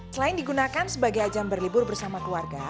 selain digunakan sebagai ajang berlibur bersama keluarga